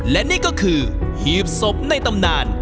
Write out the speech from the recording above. และนี่ก็คือหีบศพในตำนาน